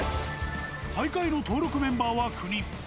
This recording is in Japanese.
大会の登録メンバーは９人。